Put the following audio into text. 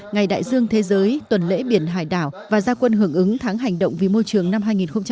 ngày đại dương thế giới tuần lễ biển hải đảo và gia quân hưởng ứng tháng hành động vì môi trường năm hai nghìn hai mươi